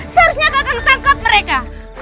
seharusnya kakak menangkap mereka